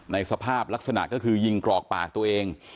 ในสภาพลักษณะก็คือยิงกรอกปากตัวเอง